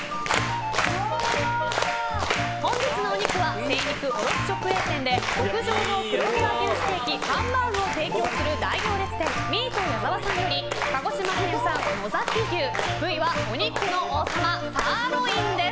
本日のお肉は精肉卸直営店で極上の黒毛和牛ステーキハンバーグを提供する大行列店ミート矢澤さんより鹿児島県産のざき牛部位はお肉の王様サーロインです。